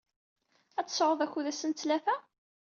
Ad tesɛud akud ass n ttlata?